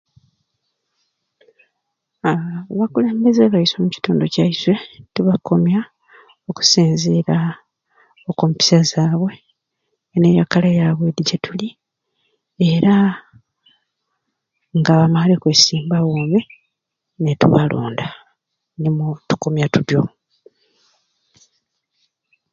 Aa abakulembeze baiswe omukitundu kyaiswe tubakomya okusinziira ku mpisa zaabwe, eneyakalya yaabwe edi gyetuli era nga bamaare kwesimbawo mbe netubalonda nimwo tukomya tutyo.